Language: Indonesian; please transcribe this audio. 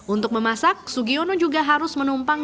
untuk memasak sugiono juga harus menumpang